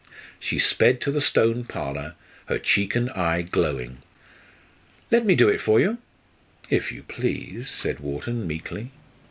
She sped to the Stone Parlour, her cheek and eye glowing. "Let me do it for you." "If you please," said Wharton, meekly.